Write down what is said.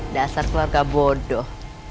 dasar keluarga bodoh